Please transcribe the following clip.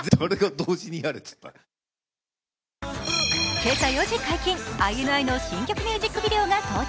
今朝４時解禁、ＩＮＩの新曲ミュージックビデオが到着。